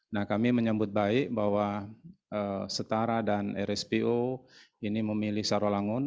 nah kami menyambut baik bahwa setara dan rspo ini memilih sarawangun